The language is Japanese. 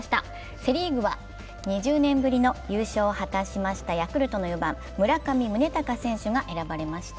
セ・リーグは２０年ぶりの優勝を果たしましたヤクルトの４番、村上宗隆選手が選ばれました。